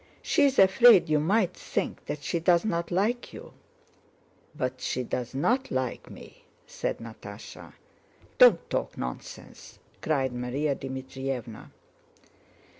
She's afraid you might think that she does not like you." "But she doesn't like me," said Natásha. "Don't talk nonsense!" cried Márya Dmítrievna.